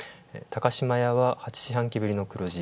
高島屋は、８四半期ぶり。